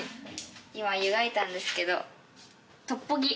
今湯がいたんですけどトッポギ。